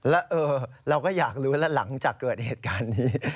แล้วเราก็อยากรู้แล้วหลังจากเกิดเหตุการณ์นี้